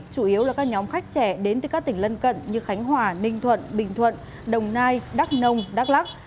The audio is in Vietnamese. chủ yếu là các nhóm khách trẻ đến từ các tỉnh lân cận như khánh hòa ninh thuận bình thuận đồng nai đắk nông đắk lắc